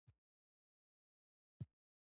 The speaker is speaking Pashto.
ابن هشام له ابن اسحاق نه نقل کوي.